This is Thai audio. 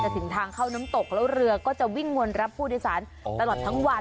ถึงทางเข้าน้ำตกแล้วเรือก็จะวิ่งวนรับผู้โดยสารตลอดทั้งวัน